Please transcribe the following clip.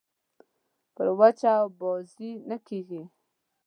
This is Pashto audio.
پر وچه اوبازي نه کېږي.